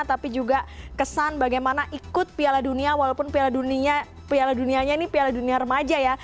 tapi juga kesan bagaimana ikut piala dunia walaupun piala dunianya ini piala dunia remaja ya